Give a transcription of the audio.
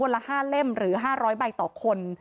ละ๕เล่มหรือ๕๐๐ใบต่อคน